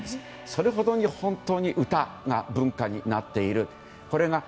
それほどに本当に歌が文化になっている。